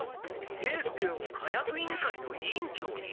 兵助を火薬委員会の委員長に？